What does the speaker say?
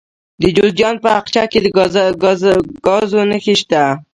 د جوزجان په اقچه کې د ګازو نښې شته.